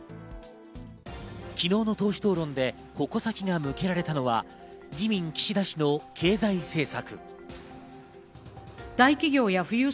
昨日の党首討論で矛先が向けられたのは、自民岸田氏の経済政策。